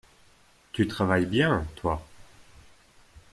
Tu travailles bien, toi !